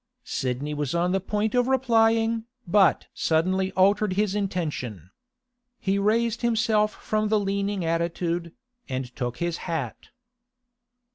Sidney was on the point of replying, but suddenly altered his intention. He raised himself from the leaning attitude, and took his hat.